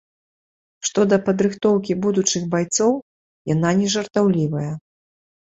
Што да падрыхтоўкі будучых байцоў, яна нежартаўлівая.